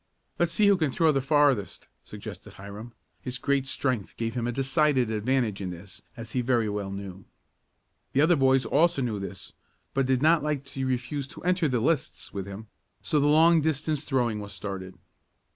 "Let's see who can throw the farthest," suggested Hiram. His great strength gave him a decided advantage in this, as he very well knew. The other boys also knew this, but did not like to refuse to enter the lists with him, so the long distance throwing was started.